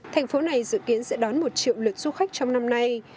thành phố này dự kiến sẽ đón một triệu lượt du khách trong năm nay